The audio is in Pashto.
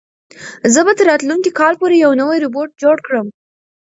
زه به تر راتلونکي کال پورې یو نوی روبوټ جوړ کړم.